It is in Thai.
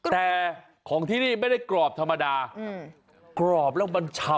แต่ของที่นี่ไม่ได้กรอบธรรมดากรอบแล้วมันชำ